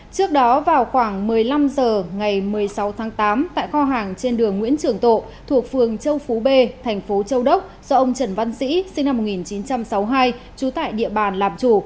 trước đó vào khoảng một mươi năm h ngày một mươi sáu tháng tám tại kho hàng trên đường nguyễn trường tộ thuộc phường châu phú b thành phố châu đốc do ông trần văn sĩ sinh năm một nghìn chín trăm sáu mươi hai trú tại địa bàn làm chủ